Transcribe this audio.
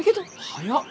早っ！